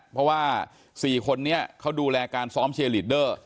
เพราะว่า๔คนนี้เขาดูแลการซ้อมเชียร์ลีดเดอร์